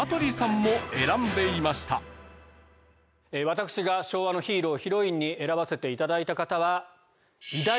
私が昭和のヒーロー＆ヒロインに選ばせて頂いた方は。